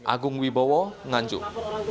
agung wibowo nganjuk